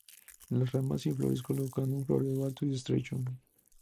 Las ramas y flores se colocó en un florero alto y estrecho.